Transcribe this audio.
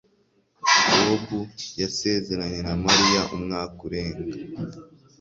Bob yasezeranye na Mariya umwaka urenga.